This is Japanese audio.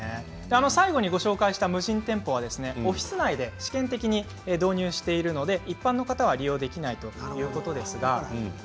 最後に紹介した無人店舗はオフィス内で試験的に営業してるので一般の人は利用できないということです。